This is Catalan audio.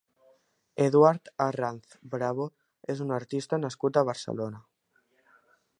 Eduard Arranz Bravo és un artista nascut a Barcelona.